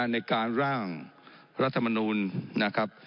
ในการร่างรัฐมนูลนะครับ